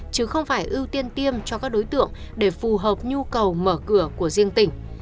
chứ không phải ưu tiên tiêm cho các đối tượng để phù hợp nhu cầu mở cửa của riêng tỉnh